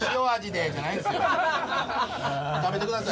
食べてください！